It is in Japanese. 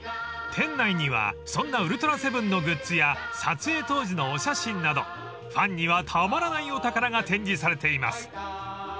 ［店内にはそんな『ウルトラセブン』のグッズや撮影当時のお写真などファンにはたまらないお宝が展示されています］